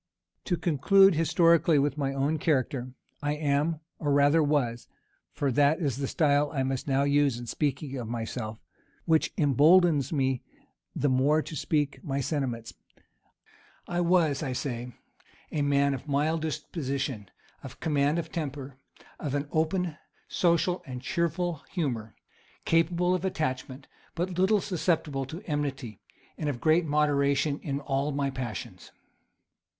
To conclude historically with my own character: I am, or rather was, (for that is the style I must now use in speaking of myself, which imboldens me the more to speak my sentiments;) I was, I say, a man of mild disposition, of command of temper, of an open, social, and cheerful humor, capable of attachment, but little susceptible of enmity, and of great moderation in all my passions.